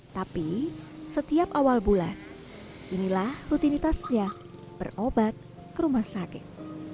tapi setiap awal bulan inilah rutinitasnya berobat ke rumah sakit